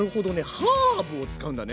ハーブを使うんだね。